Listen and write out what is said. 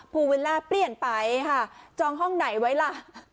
ภูวิลล่าเปลี่ยนไปค่ะจองห้องไหนไว้ล่ะ